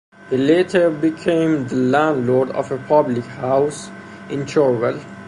He later became the landlord of a public house in Churwell.